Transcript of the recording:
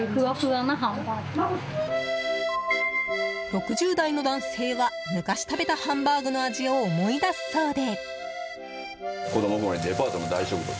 ６０代の男性は昔食べたハンバーグの味を思い出すそうで。